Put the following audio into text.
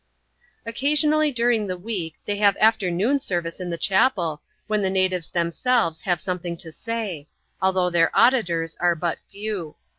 Occasionally during the week, they have afternoon service in the chapel, when the natives themselves have something to say ; although their auditors are but few.